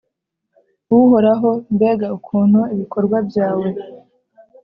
uhoraho, mbega ukuntu ibikorwa byawe